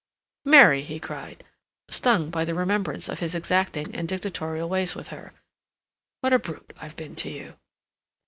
"Mary," he cried, stung by the remembrance of his exacting and dictatorial ways with her, "what a brute I've been to you!"